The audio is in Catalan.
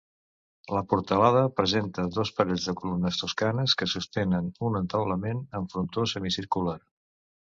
La portalada presenta dos parells de columnes toscanes que sostenen un entaulament amb frontó semicircular.